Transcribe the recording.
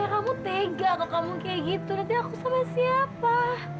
kamu tega ke kamu kayak gitu nanti aku sama siapa